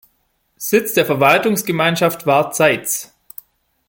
Sitz der Verwaltungsgemeinschaft war Zeitz.